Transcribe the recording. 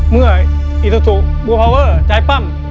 เมื่ออิทธุบูร์พอเวอร์จ่ายปั้ม